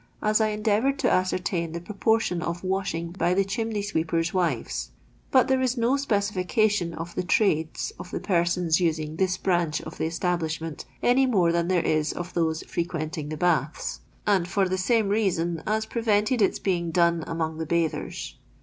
as I endeavoured to ascertain the proportion of wash ing by the chimney sweeper's wives ; but there is no specification of the trades of the persons using this branch of the establishment any more than there is of those frequenting the baths, and for the same reason as prevented its being done among the bathers.